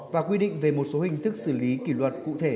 và quy định về một số hình thức xử lý kỷ luật cụ thể